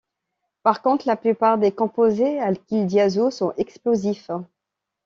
Par contre, la plupart des composés alkyldiazo sont explosifs.